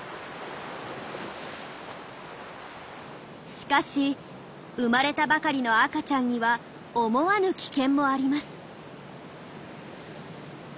しかし生まれたばかりの赤ちゃんには思わぬ危険もあります。